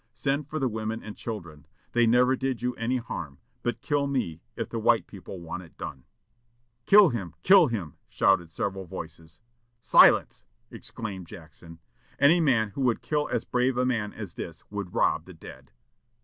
Send for the women and children. They never did you any harm. But kill me, if the white people want it done." "Kill him! kill him!" shouted several voices. "Silence!" exclaimed Jackson. "Any man who would kill as brave a man as this would rob the dead!"